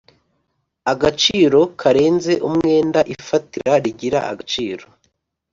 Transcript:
agaciro karenze umwenda ifatira rigira agaciro